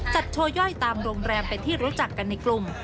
โชว์ย่อยตามโรงแรมเป็นที่รู้จักกันในกลุ่ม